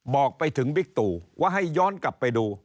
บอกไปถึงบิ๊กตู่ว่าให้ย้อนกลับไปดู